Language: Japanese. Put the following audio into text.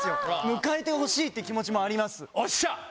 迎えてほしいっていう気持ちもあよっしゃ！